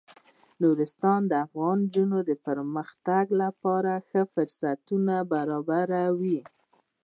نورستان د افغان نجونو د پرمختګ لپاره ښه فرصتونه برابروي.